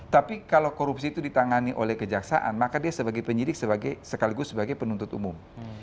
tapi kalau korupsi itu ditangani oleh kejaksaan maka dia sebagai penyidik sekaligus sebagai penuntut umum